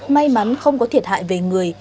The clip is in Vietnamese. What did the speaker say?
may mắn không có thiệt hại về người